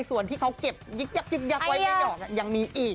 ส่วนที่เขาเก็บยึกไว้ไม่ออกยังมีอีก